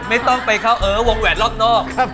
ไม่ต้องไปวงแหวนรอบนอก